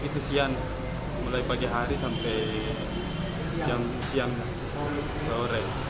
kalau itu siang mulai pagi hari sampai siang sore